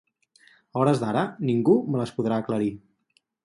A hores d'ara, ningú me les podrà aclarir.